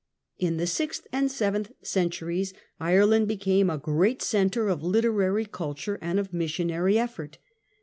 In the sixth and seventh centuries Ireland became a great centre of literary culture and of missionary effort.